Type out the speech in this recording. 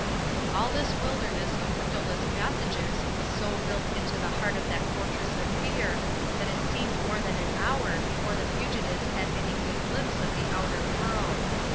All this wilderness of windowless passages was so built into the heart of that fortress of fear that it seemed more than an hour before the fugitives had any good glimpse of the outer world.